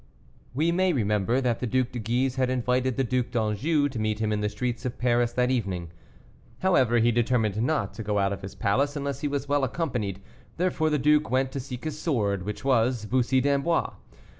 We may remember that the Duc de Guise had invited the Duc d'Anjou to meet him in the streets of Paris that evening. However, he determined not to go out of his palace unless he was well accompanied; therefore the duke went to seek his sword, which was Bussy d'Amboise.